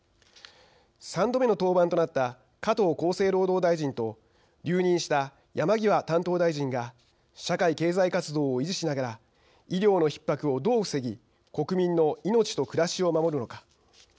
３度目の登板となった加藤厚生労働大臣と留任した山際担当大臣が社会経済活動を維持しながら医療のひっ迫をどう防ぎ国民の命と暮らしを守るのか。